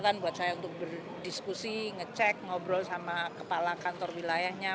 kan buat saya untuk berdiskusi ngecek ngobrol sama kepala kantor wilayahnya